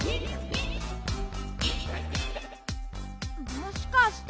もしかして。